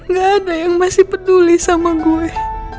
gak ada yang masih peduli sama gue